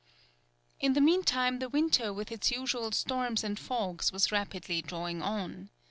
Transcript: In the meantime the winter with its usual storms and fogs was rapidly drawing on.